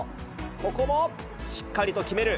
ここもしっかりと決める。